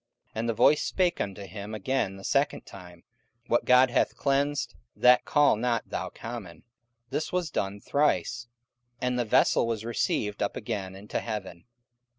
44:010:015 And the voice spake unto him again the second time, What God hath cleansed, that call not thou common. 44:010:016 This was done thrice: and the vessel was received up again into heaven.